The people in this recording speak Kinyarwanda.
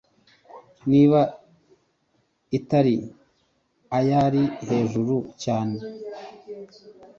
Niba itari ayari hejuru cyane